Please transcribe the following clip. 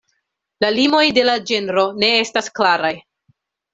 La limoj de la ĝenro ne estas klaraj.